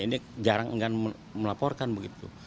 ini jarang enggan melaporkan begitu